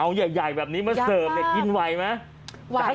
เอาใหญ่แบบนี้มาเสิร์ฟเนี่ยกินไหวไหม